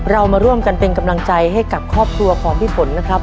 เรามาร่วมกันเป็นกำลังใจให้กับครอบครัวของพี่ฝนนะครับ